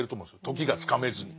時がつかめずに。